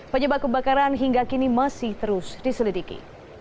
penyebab kebakaran hingga kini masih terus diselidiki